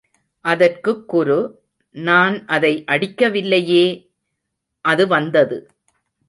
அதற்குக் குரு, நான் அதை அடிக்கவில்லையே...... அது வந்தது.